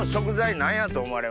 何やと思われます？